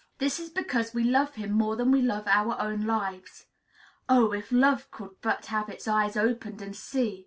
This is because we love him more than we love our own lives. Oh! if love could but have its eyes opened and see!